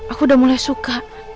aku udah mulai suka